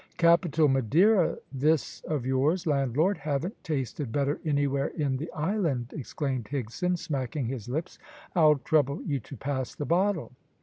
"Capital Madeira, this of yours, landlord! Haven't tasted better anywhere in the island!" exclaimed Higson, smacking his lips. "I'll trouble you to pass the bottle."